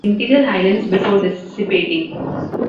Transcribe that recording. Interior Highlands before dissipating.